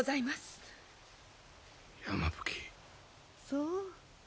そう。